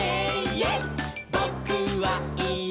「ぼ・く・は・い・え！